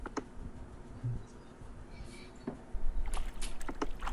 La historia se desarrolla en Sevilla.